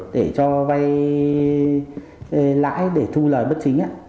để cho vay lãi để thu lời bất chính